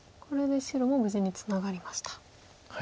これで白も無事にツナがりました。